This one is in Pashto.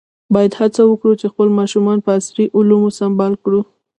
باید هڅه وکړو چې خپل ماشومان په عصري علومو سمبال کړو.